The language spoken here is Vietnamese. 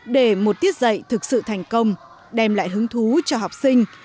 để một tiết dạy thực sự thành công đem lại hứng thú cho học sinh